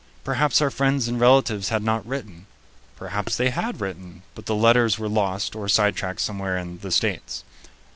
Perhaps our friends and relatives had not written; perhaps they had written, but the letters were lost or sidetracked somewhere in "the States."